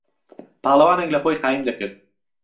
پاڵهوانێک له خۆی قایم دهکرد